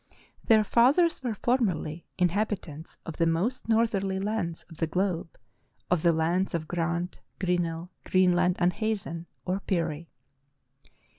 Their fathers were formerly inhabitants of the most northerly lands of the globe, of the lands of Grant, Grinnell, Greenland, and Hazen (or Peary).